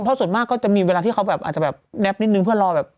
เพราะส่วนมากก็จะมีเวลาที่เขาแบบอาจจะแบบแนบนิดนึงเพื่อรอแบบ